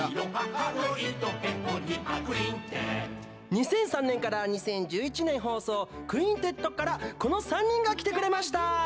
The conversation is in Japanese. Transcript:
２００３年から２０１１年放送「クインテット」からこの３人が来てくれました！